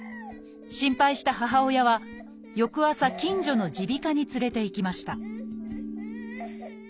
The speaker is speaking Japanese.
心配した母親は翌朝近所の耳鼻科に連れていきました